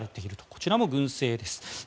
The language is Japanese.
こちらも軍政です。